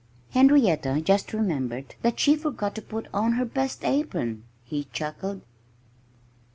"Henrietta just remembered that she forgot to put on her best apron," he chuckled.